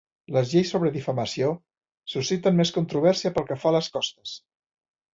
Les lleis sobre difamació susciten més controvèrsia pel que fa a les costes.